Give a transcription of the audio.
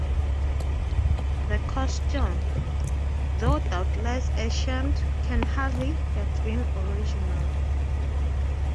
The custom, though doubtless ancient, can hardly have been original.